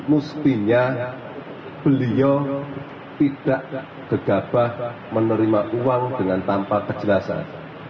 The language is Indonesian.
mestinya beliau tidak gegabah menerima uang dengan tanpa kejelasan